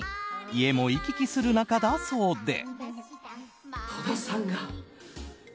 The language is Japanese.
家も行き来する仲だそうで。